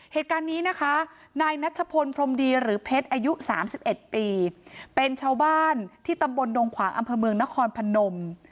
เหตุการณ์นี้นะคะนายนัชพลพรมดีหรือเพชรอายุ๓๑ปีเป็นชาวบ้านที่ตำบลดงขวางอำเภอเมืองนครพนม